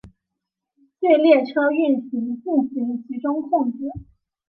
对列车运行进行集中控制。